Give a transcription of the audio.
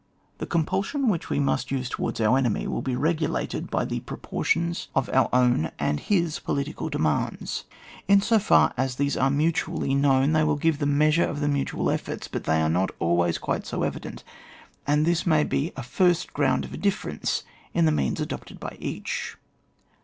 The compulsion which we must use towards our enemy will be regulated by the proportions of our own and his poli tical demands. In so far as these are mutually known they will give the mea sure of the mutual efiPorts ; but they are not dhrays quite so evident, and this may be a first ground of a difference in the means adopted by each.